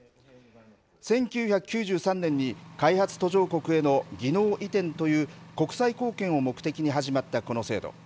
１９９３年に開発途上国への技能移転という、国際貢献を目的に始まったこの制度。